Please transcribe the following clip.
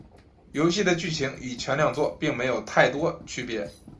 游戏的剧情与前两作并没有太多区别。